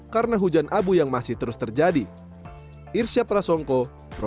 karena hujan abu yang masih terus tinggal